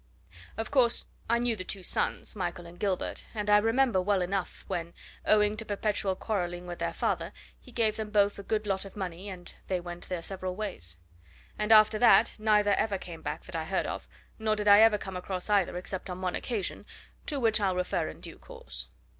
Of course, I knew the two sons Michael and Gilbert; and I remember well enough when, owing to perpetual quarrelling with their father, he gave them both a good lot of money and they went their several ways. And after that, neither ever came back that I heard of, nor did I ever come across either, except on one occasion to which I'll refer in due course.